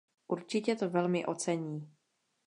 Určitě to velmi ocení.